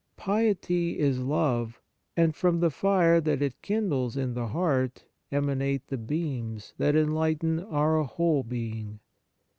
Piety is love, and from the fire that it kindles in the heart emanate the beams that en lighten our whole being.